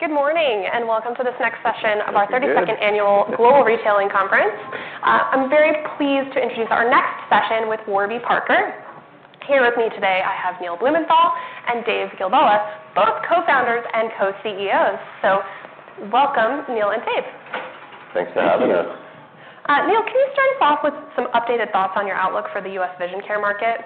Good morning, and welcome to this next session of our the 32nd annual Global Retailing Conference. I'm very pleased to introduce our next session with Warby Parker. Here with me today, I have Neil Blumenthal and Dave Gilboa, both Co-founders and Co-CEOs. Welcome, Neil and Dave. Thanks for having us. Thank you. Neil, can you start us off with some updated thoughts on your outlook for the U.S. vision care market?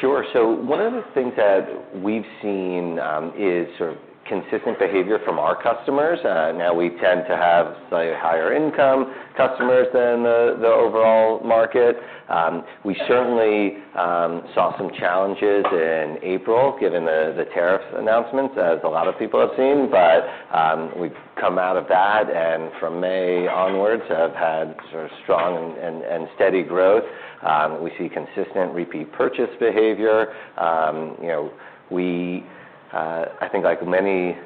Sure. So one of the things that we've seen is sort of consistent behavior from our customers. Now, we tend to have slightly higher income customers than the overall market. We certainly saw some challenges in April, given the tariff announcements, as a lot of people have seen. But we've come out of that, and from May onwards have had sort of strong and steady growth. We see consistent repeat purchase behavior. You know, I think like many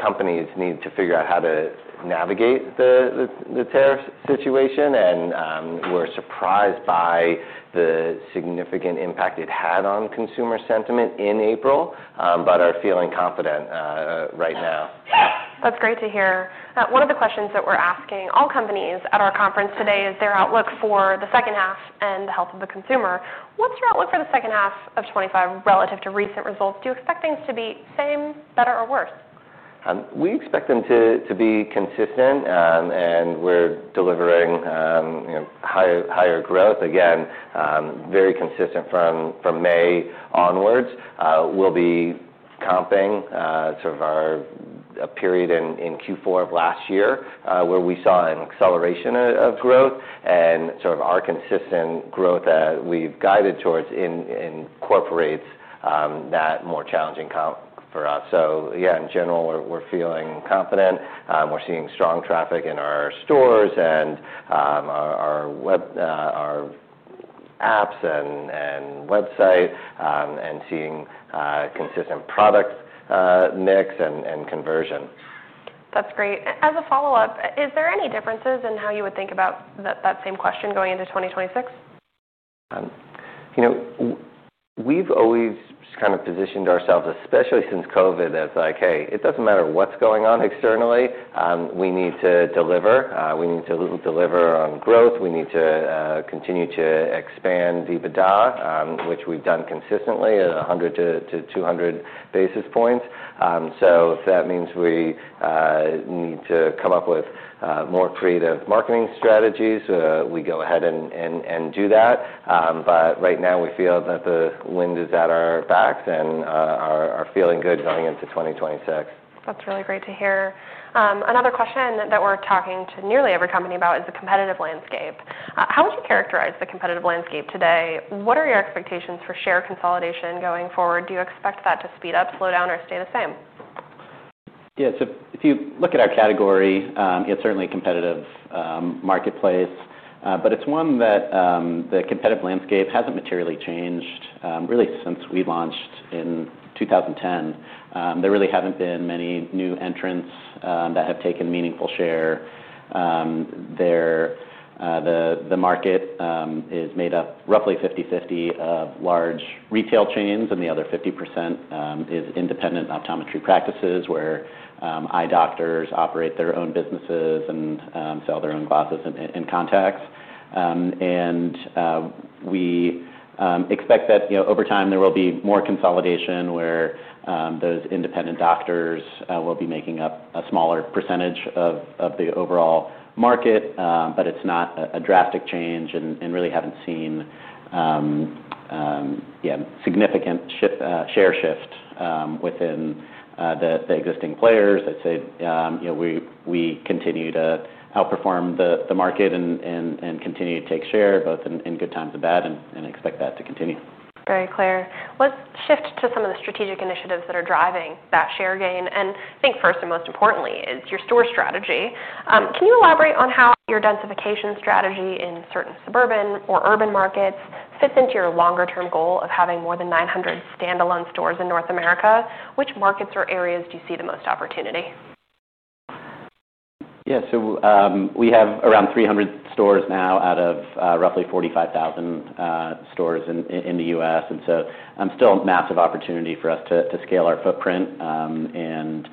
companies, need to figure out how to navigate the tariff situation, and we're surprised by the significant impact it had on consumer sentiment in April, but are feeling confident right now. That's great to hear. One of the questions that we're asking all companies at our conference today is their outlook for the second half and the health of the consumer. What's your outlook for the second half of 2025 relative to recent results? Do you expect things to be same, better, or worse? We expect them to be consistent, and we're delivering, you know, higher growth. Again, very consistent from May onwards. We'll be comping sort of a period in Q4 of last year, where we saw an acceleration of growth, and sort of our consistent growth that we've guided towards incorporates that more challenging comp for us. So yeah, in general, we're feeling confident. We're seeing strong traffic in our stores and our web, our apps and website, and seeing consistent product mix and conversion. That's great. As a follow-up, is there any differences in how you would think about that same question going into 2026? You know, we've always kind of positioned ourselves, especially since COVID, as like, "Hey, it doesn't matter what's going on externally, we need to deliver. We need to deliver on growth, we need to continue to expand EBITDA," which we've done consistently at 100-200 basis points. So if that means we need to come up with more creative marketing strategies, we go ahead and do that. But right now, we feel that the wind is at our backs and are feeling good going into 2026. That's really great to hear. Another question that we're talking to nearly every company about is the competitive landscape. How would you characterize the competitive landscape today? What are your expectations for share consolidation going forward? Do you expect that to speed up, slow down, or stay the same? Yeah, so if you look at our category, it's certainly a competitive marketplace, but it's one that the competitive landscape hasn't materially changed really since we launched in 2010. There really haven't been many new entrants that have taken meaningful share. The market is made up roughly 50/50 of large retail chains, and the other 50% is independent optometry practices, where eye doctors operate their own businesses and sell their own glasses and contacts. And we expect that, you know, over time, there will be more consolidation, where those independent doctors will be making up a smaller percentage of the overall market. But it's not a drastic change, and really haven't seen significant shift, share shift within the existing players. I'd say, you know, we continue to outperform the market and continue to take share, both in good times and bad, and expect that to continue. Very clear. Let's shift to some of the strategic initiatives that are driving that share gain, and I think first and most importantly, is your store strategy. Can you elaborate on how your densification strategy in certain suburban or urban markets fits into your longer-term goal of having more than 900 standalone stores in North America? Which markets or areas do you see the most opportunity? Yeah. So, we have around 300 stores now out of roughly 45,000 stores in the U.S., and so, still a massive opportunity for us to scale our footprint. And,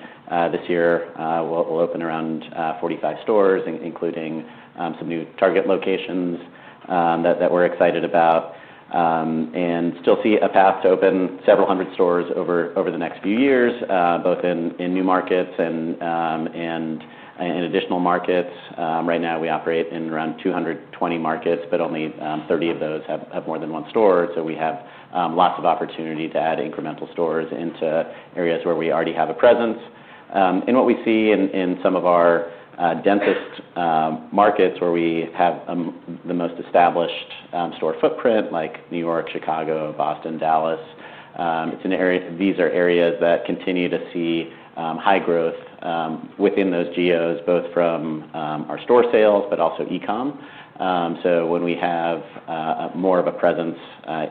this year, we'll open around 45 stores, including some new Target locations that we're excited about. And still see a path to open several hundred stores over the next few years, both in new markets and in additional markets. Right now we operate in around 220 markets, but only 30 of those have more than one store. So we have lots of opportunity to add incremental stores into areas where we already have a presence. And what we see in some of our densest markets, where we have the most established store footprint, like New York, Chicago, Boston, Dallas. These are areas that continue to see high growth within those geos, both from our store sales, but also e-com. So when we have more of a presence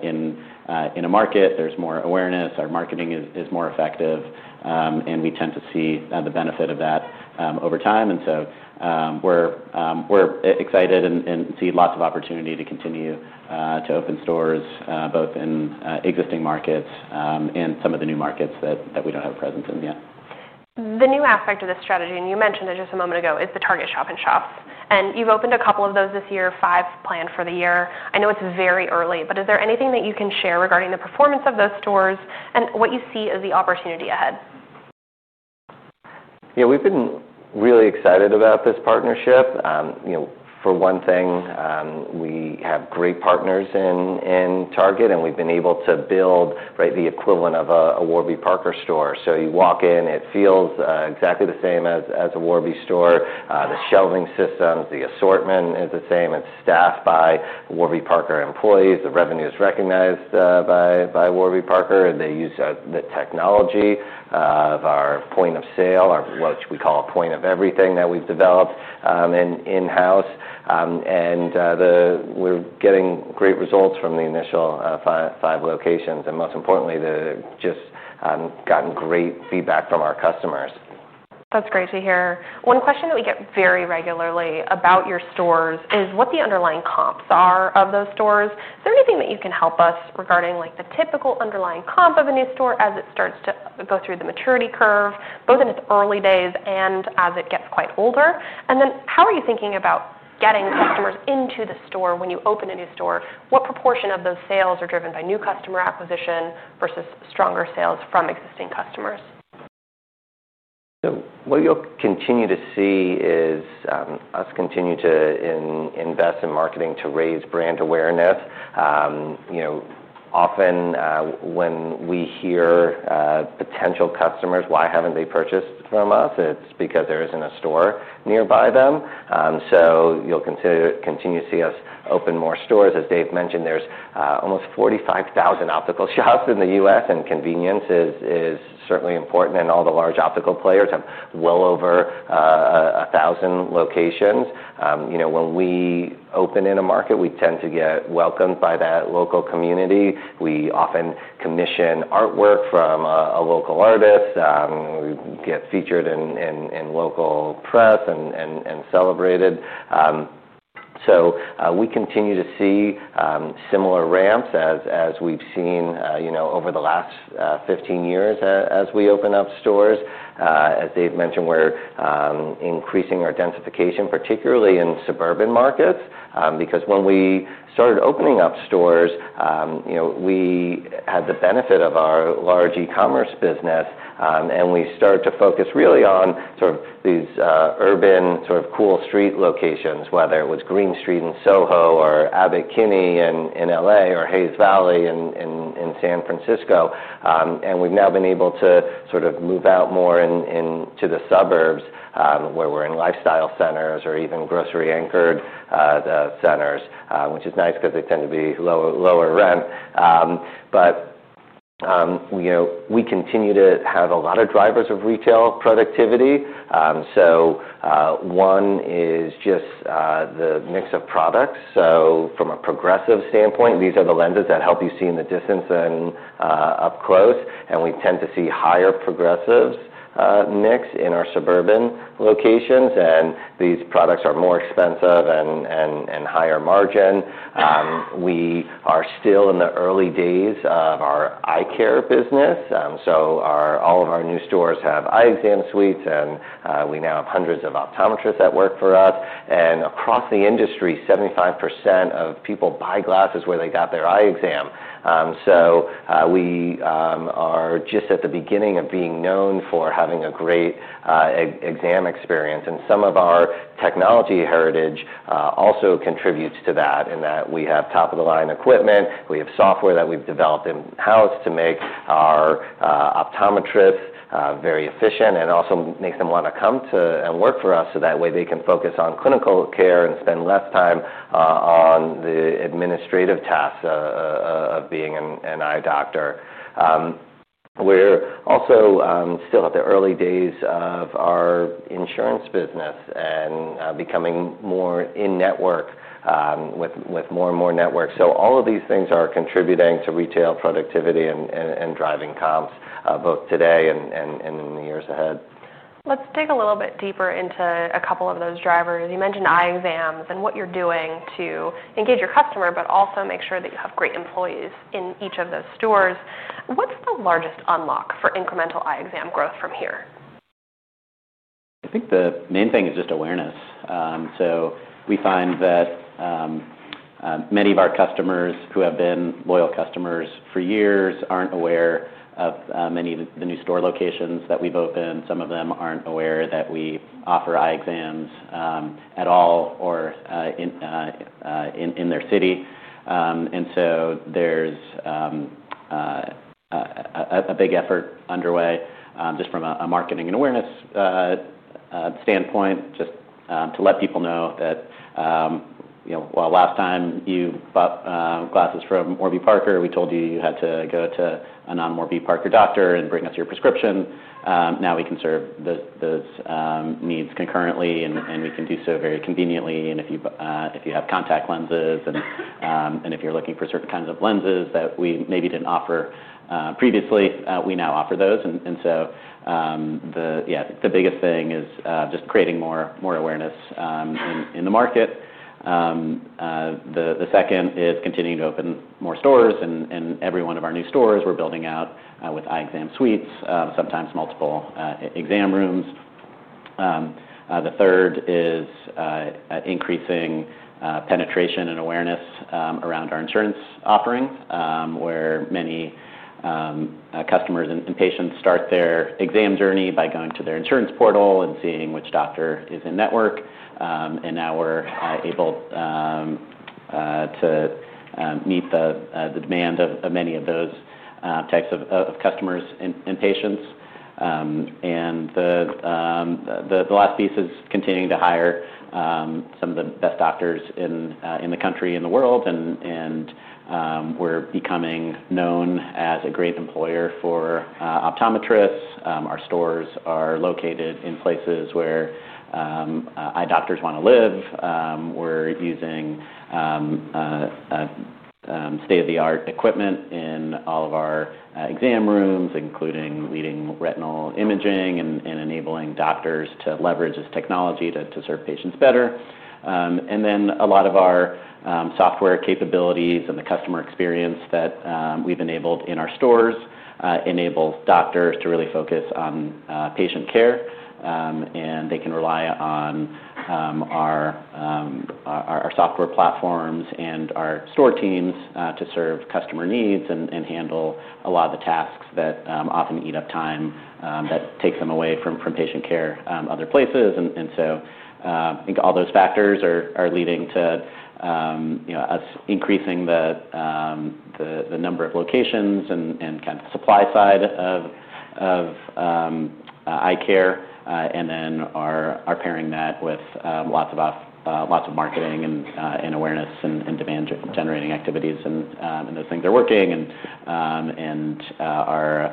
in a market, there's more awareness. Our marketing is more effective, and we tend to see the benefit of that over time. And so, we're excited and see lots of opportunity to continue to open stores, both in existing markets and some of the new markets that we don't have a presence in yet. The new aspect of this strategy, and you mentioned it just a moment ago, is the Target shop-in-shops, and you've opened a couple of those this year, five planned for the year. I know it's very early, but is there anything that you can share regarding the performance of those stores and what you see as the opportunity ahead? Yeah, we've been really excited about this partnership. You know, for one thing, we have great partners in Target, and we've been able to build, right, the equivalent of a Warby Parker store. So you walk in, it feels exactly the same as a Warby store. The shelving systems, the assortment is the same. It's staffed by Warby Parker employees. The revenue is recognized by Warby Parker, and they use the technology of our point of sale, or what we call Point of Everything, that we've developed in-house. And we're getting great results from the initial five locations, and most importantly, just gotten great feedback from our customers. That's great to hear. One question that we get very regularly about your stores is what the underlying comps are of those stores. Is there anything that you can help us regarding, like, the typical underlying comp of a new store as it starts to go through the maturity curve, both in its early days and as it gets quite older? And then how are you thinking about getting customers into the store when you open a new store? What proportion of those sales are driven by new customer acquisition versus stronger sales from existing customers? So what you'll continue to see is us continue to invest in marketing to raise brand awareness. You know, often when we hear potential customers why haven't they purchased from us, it's because there isn't a store nearby them. So you'll continue to see us open more stores. As Dave mentioned, there's almost 45,000 optical shops in the U.S., and convenience is certainly important, and all the large optical players have well over 1,000 locations. You know, when we open in a market, we tend to get welcomed by that local community. We often commission artwork from a local artist, we get featured in local press and celebrated. We continue to see similar ramps as we've seen, you know, over the last 15 years as we open up stores. As Dave mentioned, we're increasing our densification, particularly in suburban markets, because when we started opening up stores, you know, we had the benefit of our large e-commerce business, and we started to focus really on sort of these urban, sort of cool street locations, whether it was Greene Street in Soho or Abbot Kinney in L.A. or Hayes Valley in San Francisco. We've now been able to sort of move out more into the suburbs, where we're in lifestyle centers or even grocery-anchored centers, which is nice because they tend to be lower rent. You know, we continue to have a lot of drivers of retail productivity. One is just the mix of products. From a progressive standpoint, these are the lenses that help you see in the distance and up close, and we tend to see higher progressives mix in our suburban locations, and these products are more expensive and higher margin. We are still in the early days of our eye care business, so all of our new stores have eye exam suites, and we now have hundreds of optometrists that work for us and across the industry, 75% of people buy glasses where they got their eye exam. So, we are just at the beginning of being known for having a great eye exam experience, and some of our technology heritage also contributes to that, in that we have top-of-the-line equipment, we have software that we've developed in-house to make our optometrists very efficient and also makes them want to come and work for us, so that way they can focus on clinical care and spend less time on the administrative tasks of being an eye doctor. We're also still at the early days of our insurance business and becoming more in-network with more and more networks. So all of these things are contributing to retail productivity and driving comps both today and in the years ahead. Let's dig a little bit deeper into a couple of those drivers. You mentioned eye exams and what you're doing to engage your customer, but also make sure that you have great employees in each of those stores. What's the largest unlock for incremental eye exam growth from here? I think the main thing is just awareness, so we find that many of our customers who have been loyal customers for years aren't aware of many of the new store locations that we've opened. Some of them aren't aware that we offer eye exams at all or in their city, and so there's a big effort underway just from a marketing and awareness standpoint just to let people know that, you know, while last time you bought glasses from Warby Parker, we told you you had to go to a non-Warby Parker doctor and bring us your prescription, now we can serve those needs concurrently, and we can do so very conveniently. And if you have contact lenses and if you're looking for certain kinds of lenses that we maybe didn't offer previously, we now offer those. And so the biggest thing is just creating more awareness in the market. The second is continuing to open more stores, and every one of our new stores we're building out with eye exam suites, sometimes multiple eye-exam rooms. The third is increasing penetration and awareness around our insurance offerings, where many customers and patients start their exam journey by going to their insurance portal and seeing which doctor is in-network. And now we're able to meet the demand of many of those types of customers and patients. And the last piece is continuing to hire some of the best doctors in the country, in the world, and we're becoming known as a great employer for optometrists. Our stores are located in places where eye doctors want to live. We're using state-of-the-art equipment in all of our exam rooms, including leading retinal imaging and enabling doctors to leverage this technology to serve patients better. And then a lot of our software capabilities and the customer experience that we've enabled in our stores enables doctors to really focus on patient care. And they can rely on our software platforms and our store teams to serve customer needs and handle a lot of the tasks that often eat up time that takes them away from patient care other places, and so I think all those factors are leading to, you know, us increasing the number of locations and kind of the supply side of eye care, and then are pairing that with lots of marketing and awareness and demand-generating activities. Those things are working, and our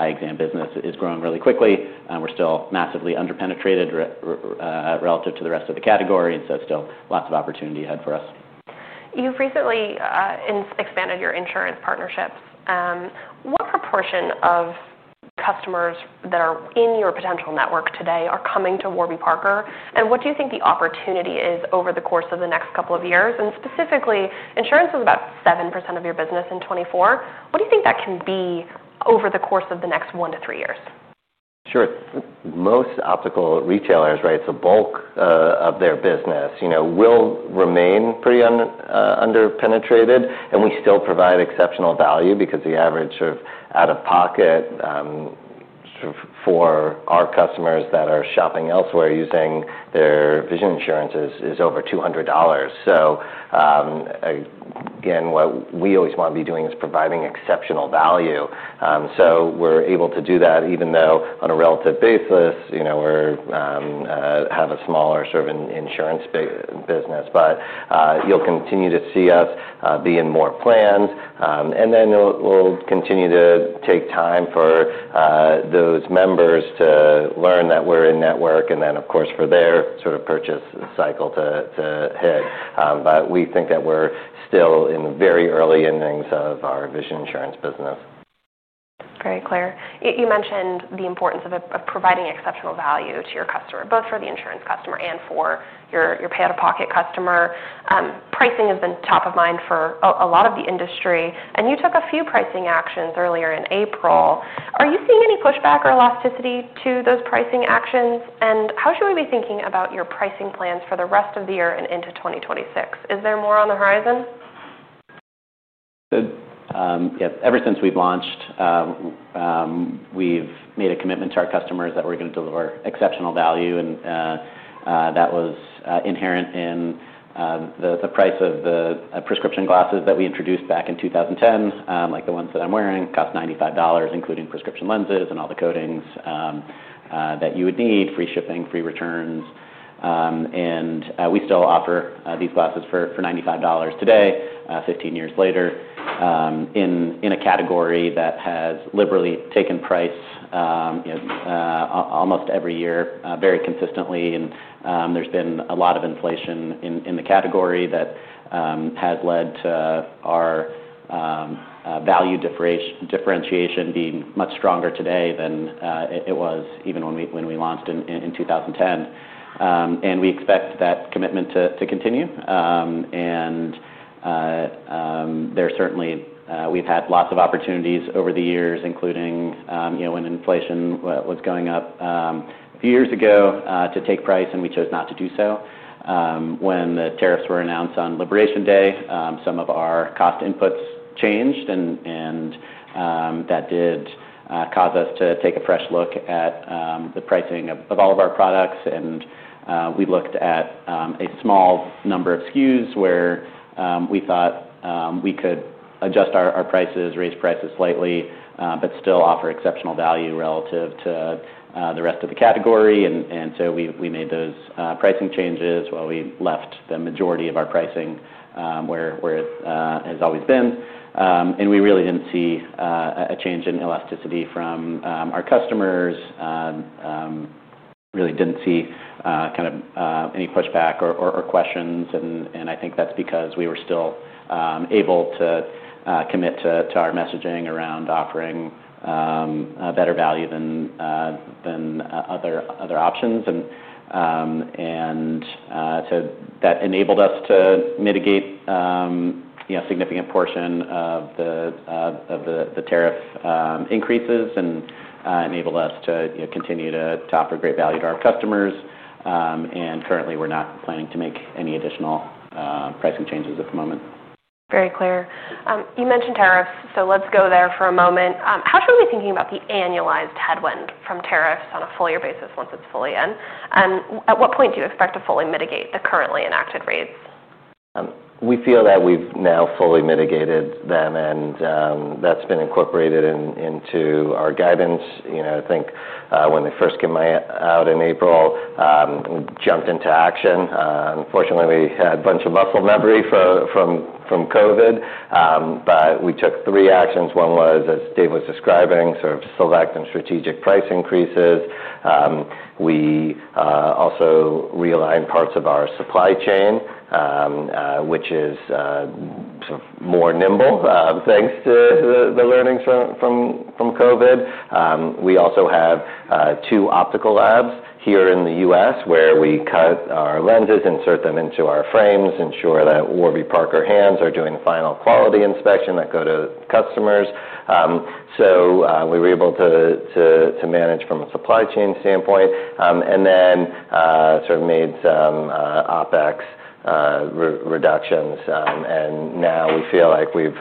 eye exam business is growing really quickly. We're still massively underpenetrated relative to the rest of the category, and so still lots of opportunity ahead for us. You've recently expanded your insurance partnerships. What proportion of customers that are in your potential network today are coming to Warby Parker? And what do you think the opportunity is over the course of the next couple of years, and specifically, insurance is about 7% of your business in 2024. What do you think that can be over the course of the next one to three years? Sure. Most optical retailers, right, so bulk of their business, you know, will remain pretty underpenetrated, and we still provide exceptional value because the average sort of out-of-pocket sort of for our customers that are shopping elsewhere using their vision insurances is over $200. So, again, what we always want to be doing is providing exceptional value. So we're able to do that, even though on a relative basis, you know, we're have a smaller sort of insurance-based business. But, you'll continue to see us be in more plans, and then it will continue to take time for those members to learn that we're in network, and then, of course, for their sort of purchase cycle to hit. But we think that we're still in the very early innings of our vision insurance business. Very clear. You mentioned the importance of providing exceptional value to your customer, both for the insurance customer and for your pay out-of-pocket customer. Pricing has been top of mind for a lot of the industry, and you took a few pricing actions earlier in April. Are you seeing any pushback or elasticity to those pricing actions? And how should we be thinking about your pricing plans for the rest of the year and into 2026? Is there more on the horizon? Yeah, ever since we've launched, we've made a commitment to our customers that we're going to deliver exceptional value, and that was inherent in the price of the prescription glasses that we introduced back in 2010. Like the ones that I'm wearing cost $95, including prescription lenses and all the coatings that you would need, free shipping, free returns. We still offer these glasses for $95 today, 15 years later, in a category that has liberally taken price almost every year, very consistently, and there's been a lot of inflation in the category that has led to our value differentiation being much stronger today than it was even when we launched in 2010. We expect that commitment to continue. There certainly, we've had lots of opportunities over the years, including you know, when inflation was going up a few years ago, to take price, and we chose not to do so. When the tariffs were announced on Liberation Day, some of our cost inputs changed, and that did cause us to take a fresh look at the pricing of all of our products. We looked at a small number of SKUs where we thought we could adjust our prices, raise prices slightly, but still offer exceptional value relative to the rest of the category. So we made those pricing changes while we left the majority of our pricing where it has always been. We really didn't see a change in elasticity from our customers, or... really didn't see kind of any pushback or questions, and I think that's because we were still able to commit to our messaging around offering a better value than other options. And that enabled us to mitigate yeah a significant portion of the tariff increases and enabled us to you know continue to offer great value to our customers. And currently, we're not planning to make any additional pricing changes at the moment. Very clear. You mentioned tariffs, so let's go there for a moment. How should we be thinking about the annualized headwind from tariffs on a fuller basis once it's fully in? And at what point do you expect to fully mitigate the currently enacted rates? We feel that we've now fully mitigated them, and that's been incorporated into our guidance. You know, I think when they first came out in April, we jumped into action. Unfortunately, we had a bunch of muscle memory from COVID, but we took three actions. One was, as Dave was describing, sort of select and strategic price increases. We also realigned parts of our supply chain, which is sort of more nimble, thanks to the learnings from COVID. We also have two optical labs here in the U.S., where we cut our lenses, insert them into our frames, ensure that Warby Parker hands are doing the final quality inspection that go to customers. We were able to manage from a supply chain standpoint, and then sort of made some OpEx reductions. Now we feel like we've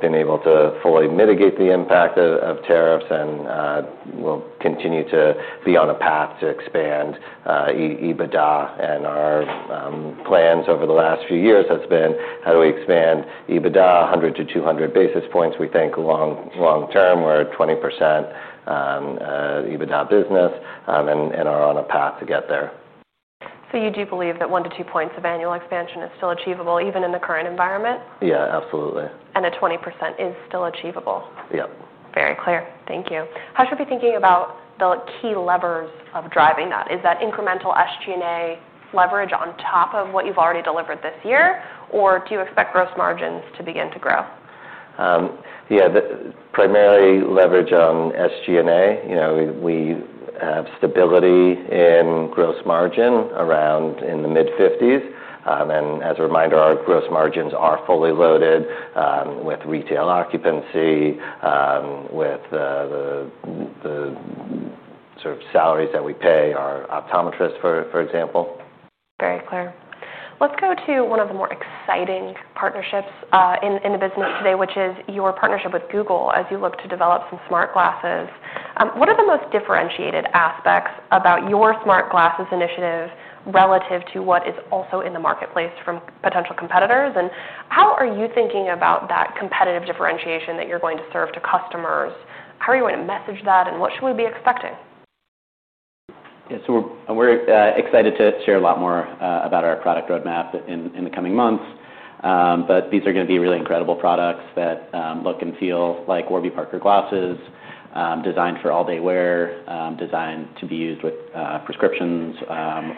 been able to fully mitigate the impact of tariffs, and we'll continue to be on a path to expand EBITDA. Our plans over the last few years has been, how do we expand EBITDA 100-200 basis points? We think long term, we're at 20% EBITDA business, and are on a path to get there. You do believe that one to two points of annual expansion is still achievable, even in the current environment? Yeah, absolutely. That 20% is still achievable? Yep. Very clear. Thank you. How should we be thinking about the key levers of driving that? Is that incremental SG&A leverage on top of what you've already delivered this year, or do you expect gross margins to begin to grow? Yeah, the primary leverage on SG&A. You know, we have stability in gross margin around in the mid-50s%. And as a reminder, our gross margins are fully loaded with retail occupancy with the sort of salaries that we pay our optometrists, for example. Very clear. Let's go to one of the more exciting partnerships in the business today, which is your partnership with Google, as you look to develop some smart glasses. What are the most differentiated aspects about your smart glasses initiative relative to what is also in the marketplace from potential competitors? And how are you thinking about that competitive differentiation that you're going to serve to customers? How are you going to message that, and what should we be expecting? Yeah, so we're excited to share a lot more about our product roadmap in the coming months. But these are gonna be really incredible products that look and feel like Warby Parker glasses, designed for all-day wear, designed to be used with prescriptions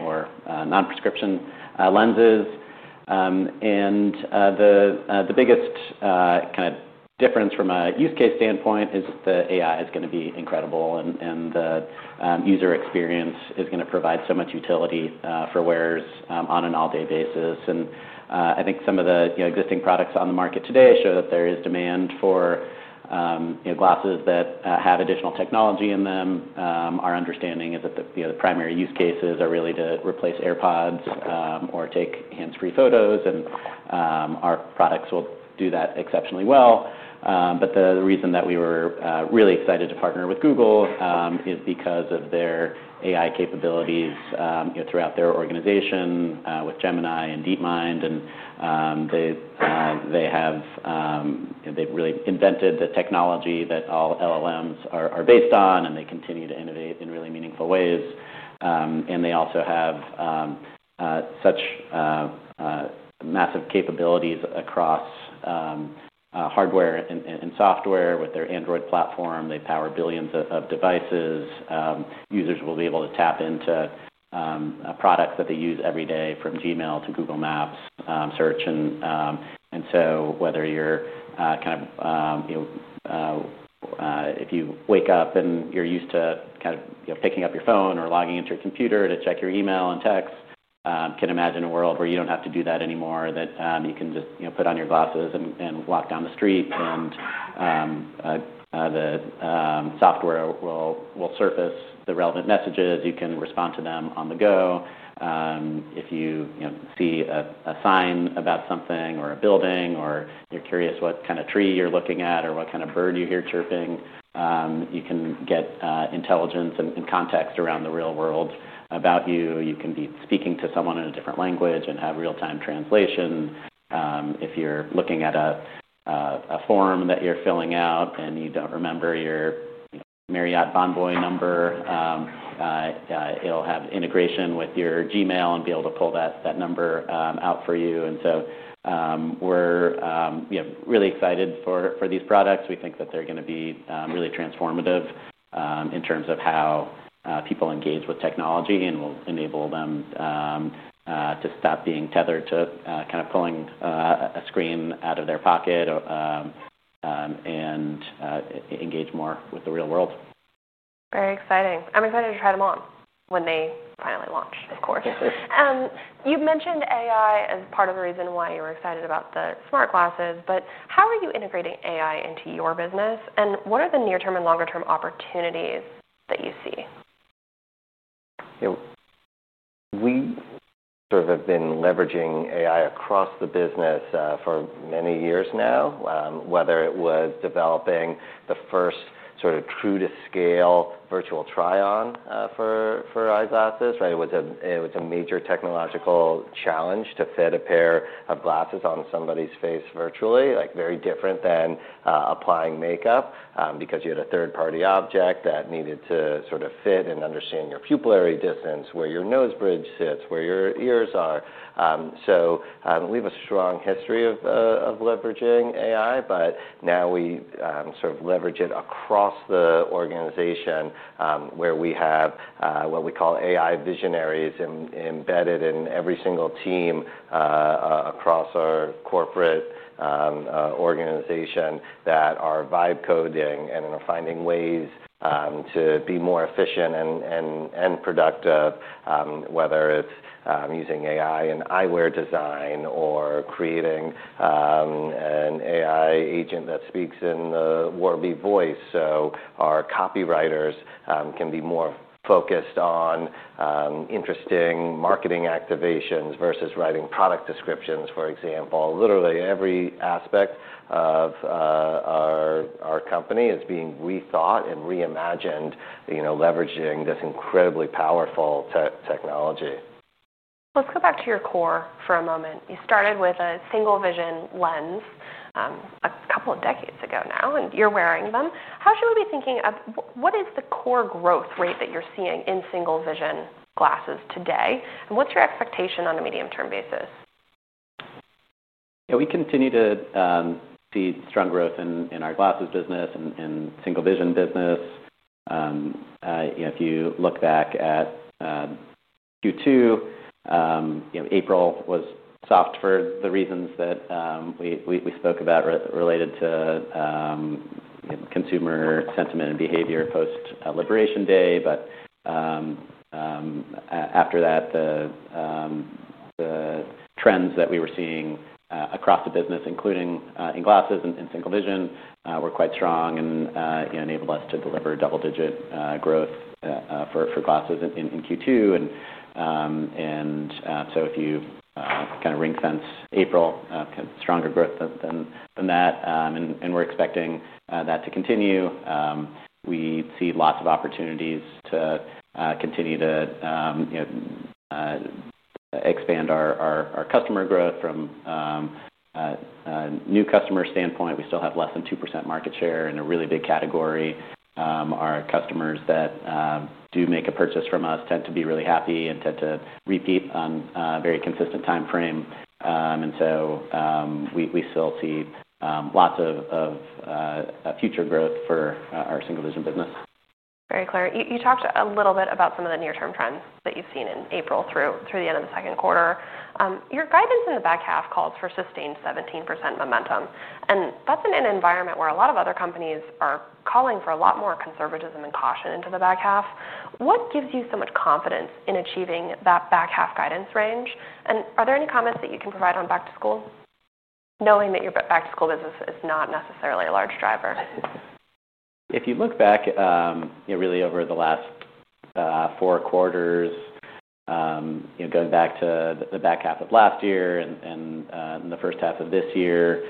or non-prescription lenses. And the biggest kind of difference from a use case standpoint is the AI is gonna be incredible, and the user experience is gonna provide so much utility for wearers on an all-day basis. And I think some of the you know existing products on the market today show that there is demand for you know glasses that have additional technology in them. Our understanding is that the primary use cases are really to replace AirPods, or take hands-free photos, and our products will do that exceptionally well. But the reason that we were really excited to partner with Google is because of their AI capabilities, you know, throughout their organization, with Gemini and DeepMind, and they've really invented the technology that all LLMs are based on, and they continue to innovate in really meaningful ways. And they also have such massive capabilities across hardware and software. With their Android platform, they power billions of devices. Users will be able to tap into products that they use every day, from Gmail to Google Maps, Search. And so whether you're kind of, you know, if you wake up and you're used to kind of, you know, picking up your phone or logging into your computer to check your email and texts, you can imagine a world where you don't have to do that anymore, that you can just, you know, put on your glasses and walk down the street, and the software will surface the relevant messages. You can respond to them on the go. If you, you know, see a sign about something, or a building, or you're curious what kind of tree you're looking at or what kind of bird you hear chirping, you can get intelligence and context around the real world about you. You can be speaking to someone in a different language and have real-time translation. If you're looking at a form that you're filling out and you don't remember your Marriott Bonvoy number, it'll have integration with your Gmail and be able to pull that number out for you. So, we're really excited for these products. We think that they're gonna be really transformative in terms of how people engage with technology and will enable them to stop being tethered to kind of pulling a screen out of their pocket or engage more with the real world. Very exciting. I'm excited to try them on when they finally launch, of course. You've mentioned AI as part of the reason why you're excited about the smart glasses, but how are you integrating AI into your business, and what are the near-term and longer-term opportunities that you see? You know, we sort of have been leveraging AI across the business for many years now, whether it was developing the first sort of true-to-scale virtual try-on for eyeglasses, right? It was a major technological challenge to fit a pair of glasses on somebody's face virtually, like, very different than applying makeup, because you had a third-party object that needed to sort of fit and understand your pupillary distance, where your nose bridge sits, where your ears are. So we have a strong history of leveraging AI, but now we sort of leverage it across the organization, where we have what we call AI visionaries embedded in every single team across our corporate organization, that are vibe coding and are finding ways to be more efficient and productive, whether it's using AI in eyewear design or creating an AI agent that speaks in the Warby voice. So our copywriters can be more focused on interesting marketing activations versus writing product descriptions, for example. Literally, every aspect of our company is being rethought and reimagined, you know, leveraging this incredibly powerful technology. Let's go back to your core for a moment. You started with a single vision lens, a couple of decades ago now, and you're wearing them. How should we be thinking of what is the core growth rate that you're seeing in single vision glasses today, and what's your expectation on a medium-term basis? Yeah, we continue to see strong growth in our glasses business and single vision business. If you look back at Q2, you know, April was soft for the reasons that we spoke about related to consumer sentiment and behavior post-Liberation Day, but after that, the trends that we were seeing across the business, including in glasses and single vision, were quite strong and enabled us to deliver double-digit growth for glasses in Q2, and so if you kind of ring-fence April, stronger growth than that, and we're expecting that to continue. We see lots of opportunities to continue to expand our customer growth from a new customer standpoint. We still have less than 2% market share in a really big category. Our customers that do make a purchase from us tend to be really happy and tend to repeat on a very consistent timeframe. And so, we still see lots of future growth for our single vision business. Very clear. You talked a little bit about some of the near-term trends that you've seen in April through the end of the second quarter. Your guidance in the back half calls for sustained 17% momentum, and that's in an environment where a lot of other companies are calling for a lot more conservatism and caution into the back half. What gives you so much confidence in achieving that back half guidance range? And are there any comments that you can provide on back to school, knowing that your back to school business is not necessarily a large driver? If you look back, you know, really over the last four quarters, you know, going back to the back half of last year and the first half of this year,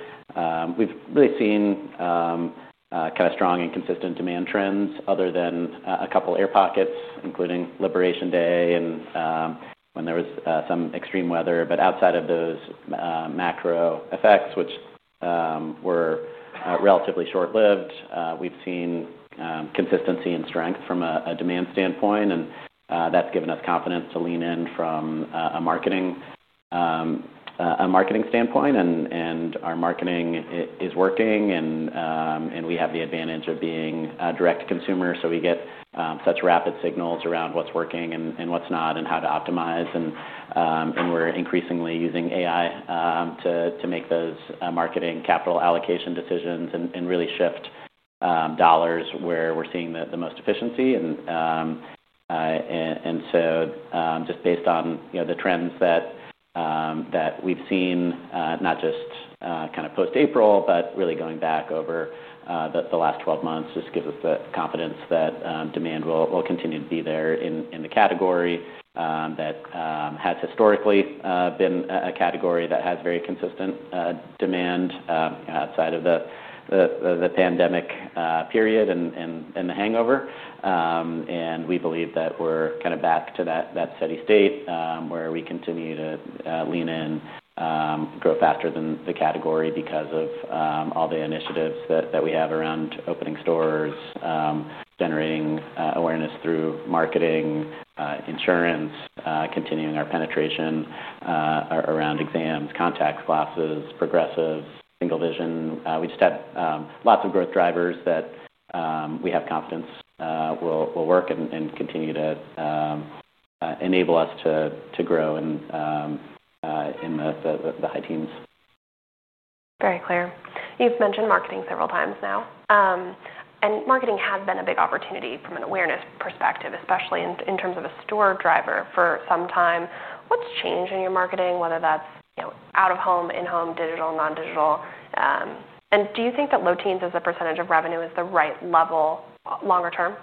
we've really seen kind of strong and consistent demand trends other than a couple air pockets, including Liberation Day and when there was some extreme weather. But outside of those macro effects, which were relatively short-lived, we've seen consistency and strength from a demand standpoint, and that's given us confidence to lean in from a marketing standpoint. And our marketing is working, and we have the advantage of being a direct consumer, so we get such rapid signals around what's working and what's not, and how to optimize. We're increasingly using AI to make those marketing capital allocation decisions and really shift dollars where we're seeing the most efficiency. So, just based on, you know, the trends that we've seen, not just kind of post-April, but really going back over the last 12 months, just gives us the confidence that demand will continue to be there in the category. That has historically been a category that has very consistent demand outside of the pandemic period and the hangover. And we believe that we're kind of back to that steady state where we continue to lean in grow faster than the category because of all the initiatives that we have around opening stores generating awareness through marketing insurance continuing our penetration around exams contacts glasses progressives single vision. We just have lots of growth drivers that we have confidence will work and continue to enable us to grow and in the high teens. Very clear. You've mentioned marketing several times now, and marketing has been a big opportunity from an awareness perspective, especially in terms of a store driver for some time. What's changed in your marketing, whether that's, you know, out-of-home, in-home, digital, non-digital, and do you think that low teens as a percentage of revenue is the right level longer term?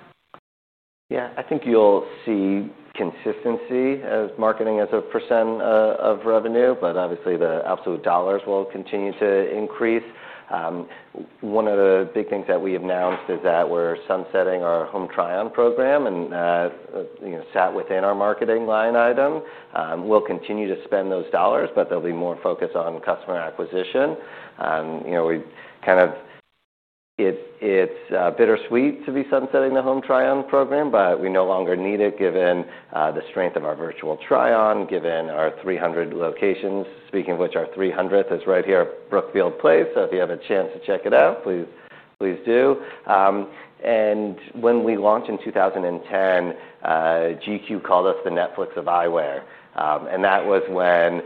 Yeah, I think you'll see consistency as marketing as a percentage of revenue, but obviously, the absolute dollars will continue to increase. One of the big things that we announced is that we're sunsetting our home try-on program, and you know, it sat within our marketing line item. We'll continue to spend those dollars, but they'll be more focused on customer acquisition. You know, it's bittersweet to be sunsetting the home try-on program, but we no longer need it, given the strength of our virtual try-on, given our 300 locations. Speaking of which, our 300th is right here at Brookfield Place. So if you have a chance to check it out, please, please do. And when we launched in 2010, GQ called us the Netflix of eyewear, and that was when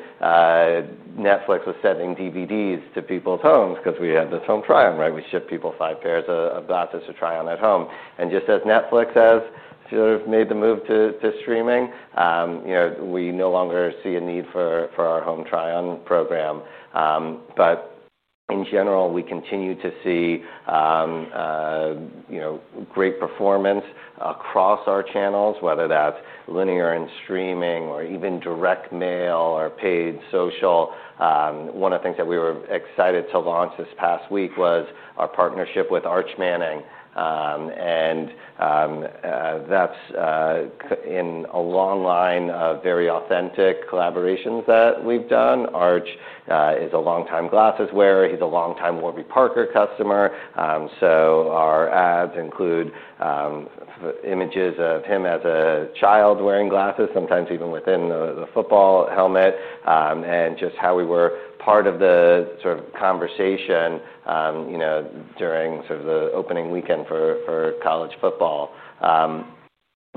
Netflix was sending DVDs to people's homes because we had this home try-on, right? We shipped people five pairs of glasses to try on at home. And just as Netflix has sort of made the move to streaming, you know, we no longer see a need for our home try-on program. But in general, we continue to see, you know, great performance across our channels, whether that's linear and streaming or even direct mail or paid social. One of the things that we were excited to launch this past week was our partnership with Arch Manning. And that's in a long line of very authentic collaborations that we've done. Arch is a longtime glasses wearer. He's a longtime Warby Parker customer. So our ads include images of him as a child wearing glasses, sometimes even within the football helmet, and just how we were part of the sort of conversation, you know, during sort of the opening weekend for college football.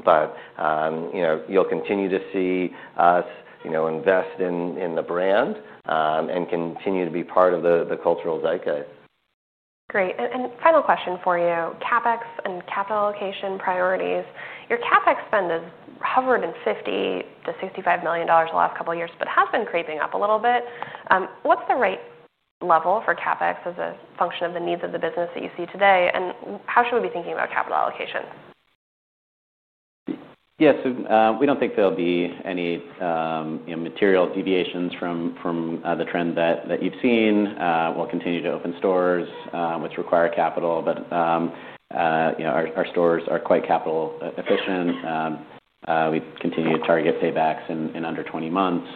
But you know, you'll continue to see us, you know, invest in the brand, and continue to be part of the cultural zeitgeist. Great. And final question for you, CapEx and capital allocation priorities. Your CapEx spend has hovered in $50 million-$65 million the last couple of years, but has been creeping up a little bit. What's the right level for CapEx as a function of the needs of the business that you see today, and how should we be thinking about capital allocation? Yeah, so we don't think there'll be any, you know, material deviations from the trend that you've seen. We'll continue to open stores, which require capital, but, you know, our stores are quite capital efficient. We continue to target paybacks in under 20 months.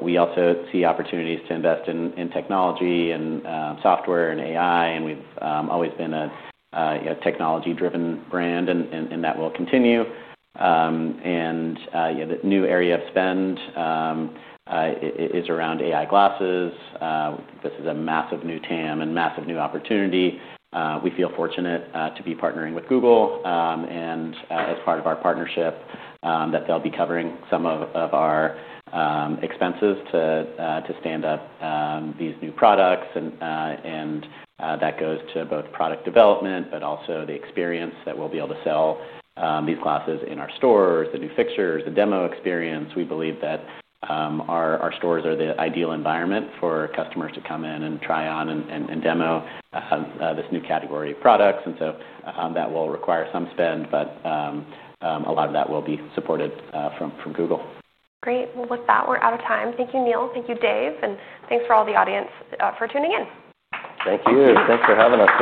We also see opportunities to invest in technology and software and AI, and we've always been a technology-driven brand, and that will continue. And the new area of spend is around AI glasses. This is a massive new TAM and massive new opportunity. We feel fortunate to be partnering with Google, and as part of our partnership, that they'll be covering some of our expenses to stand up these new products. And that goes to both product development, but also the experience that we'll be able to sell these glasses in our stores, the new fixtures, the demo experience. We believe that our stores are the ideal environment for customers to come in and try on and demo this new category of products, and so that will require some spend, but a lot of that will be supported from Google. Great. Well, with that, we're out of time. Thank you, Neil. Thank you, Dave, and thanks for all the audience for tuning in. Thank you. Thanks for having us.